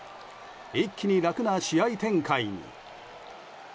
一気に楽な試合展開に。